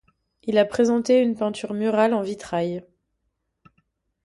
Il a présenté une peinture murale en vitrail.